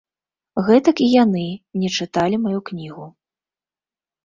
Гэтак і яны не чыталі маю кнігу.